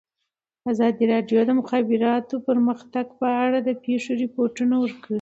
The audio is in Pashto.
ازادي راډیو د د مخابراتو پرمختګ په اړه د پېښو رپوټونه ورکړي.